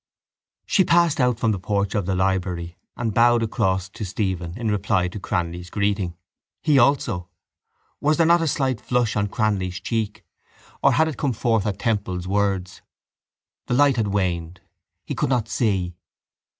She passed out from the porch of the library and bowed across Stephen in reply to Cranly's greeting. He also? Was there not a slight flush on Cranly's cheek? Or had it come forth at Temple's words? The light had waned. He could not see.